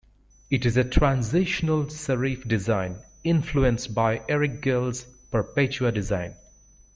It is a transitional serif design, influenced by Eric Gill's Perpetua design.